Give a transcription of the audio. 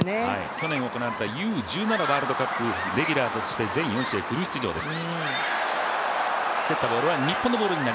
去年行われたＵー１７のワールドカップ、レギュラーとして全４試合、フル出場です。